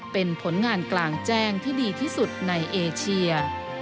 เป็นผลงานกลางแจ้งที่ดีที่สุดในเอเชีย